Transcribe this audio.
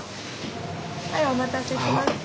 はいお待たせしました。